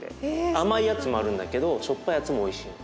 甘いやつもあるんだけどしょっぱいやつもおいしいの。